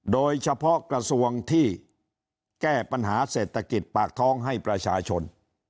โดยเฉพาะกระทรวงที่แก้ปัญหาเศรษฐกิจปากท้องให้ประชาชน